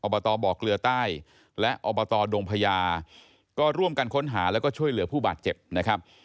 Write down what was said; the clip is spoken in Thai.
บตบ่อเกลือใต้และอบตดงพญาก็ร่วมกันค้นหาแล้วก็ช่วยเหลือผู้บาดเจ็บนะครับ